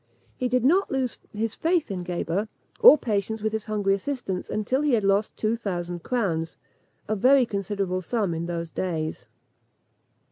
He did not lose his faith in Geber, or patience with his hungry assistants, until he had lost two thousand crowns a very considerable sum in those days.